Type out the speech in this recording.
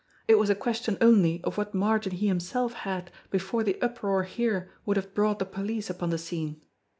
It was a question only of what margin he himself had before the uproar here would have brought the police upon the scene.